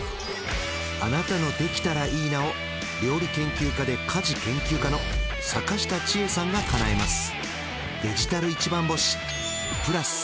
あなたの「できたらいいな」を料理研究家で家事研究家の阪下千恵さんがかなえます